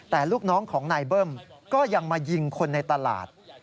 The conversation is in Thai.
แต่ลูกน้องของนายเบิ้มก็ยังมายิงคนในตลาด